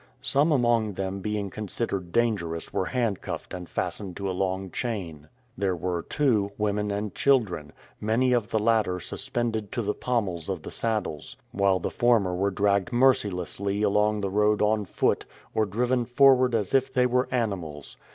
Some among them being considered dangerous were handcuffed and fastened to a long chain. There were, too, women and children, many of the latter suspended to the pommels of the saddles, while the former were dragged mercilessly along the road on foot, or driven forward as if they were animals.